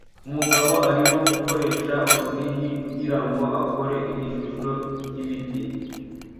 Umugabo arimo gukoresha urunigi kugirango akore igishusho cyibiti